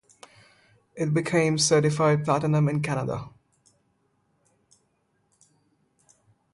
It became certified platinum in Canada.